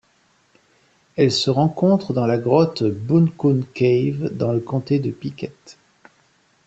Elle se rencontre dans la grotte Bunkum Cave dans le comté de Pickett.